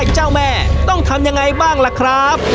เจ้าแม่ต้องทำยังไงบ้างล่ะครับ